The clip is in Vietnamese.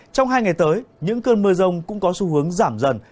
trong hai ngày tới những cơn mưa rông cũng có xu hướng giảm dần